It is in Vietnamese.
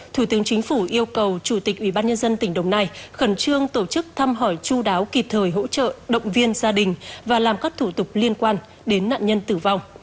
thủ tướng chính phủ yêu cầu chủ tịch ubnd tỉnh đồng nai khẩn trương tổ chức thăm hỏi chú đáo kịp thời hỗ trợ động viên gia đình và làm các thủ tục liên quan đến nạn nhân tử vong